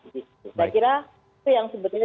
saya kira itu yang sebetulnya